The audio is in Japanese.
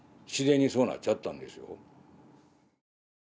自然にそうなっちゃったんですよ。